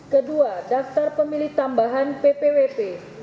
kedua daftar pemilih tambahan ppwp